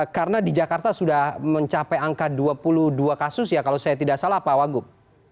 karena di jakarta sudah mencapai angka dua puluh dua kasus ya kalau saya tidak salah pak wagub